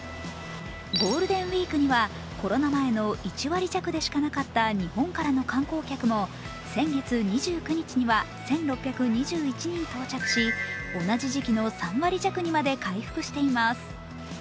ゴールデンウイークにはコロナ前の１割弱でしかなかった日本からの観光客も、先月２９日には１６２１人到着し同じ時期の３割弱にまで回復しています。